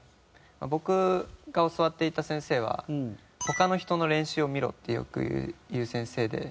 僕が教わっていた先生は「他の人の練習を見ろ」ってよく言う先生で。